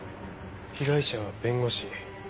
被害者は弁護士。